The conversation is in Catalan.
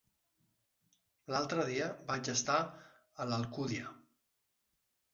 L'altre dia vaig estar a l'Alcúdia.